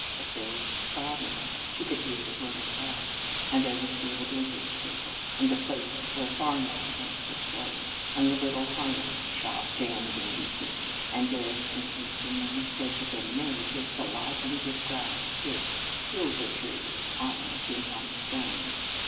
But there was the sawmill. She could hear the whir and buzz! And there was the old livery stable, and the place where farm implements were sold, and the little harness shop jammed in between; and there, to convince her no mistake had been made, was the lozenge of grass with "Silvertree" on it in white stones.